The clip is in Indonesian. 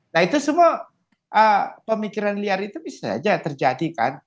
nah itu semua pemikiran liar itu bisa saja terjadi kan